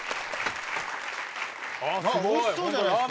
おいしそうじゃないっすか。